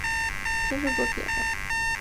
天生左撇子。